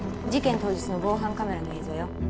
事件当日の防犯カメラの映像よ